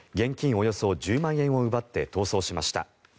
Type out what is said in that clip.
およそ１０万円を奪って逃走しました。